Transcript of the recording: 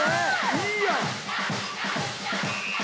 いいやん！